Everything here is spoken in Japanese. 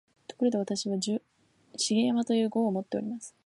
ところで、私は「重山」という号をもっております